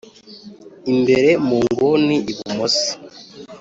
imbere munguni ibumoso